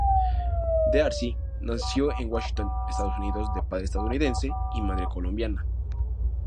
D'Arcy nació en Washington Estados Unidos de padre estadounidense y madre colombiana.